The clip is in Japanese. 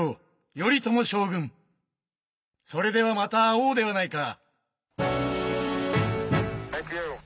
それではまた会おうではないか。